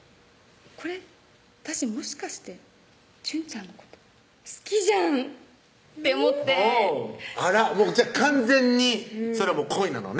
これ私もしかして淳ちゃんのこと好きじゃんって思ってあらっじゃあ完全に恋なのね